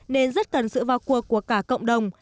nên rất cần sự vào cuộc của cả cộng đồng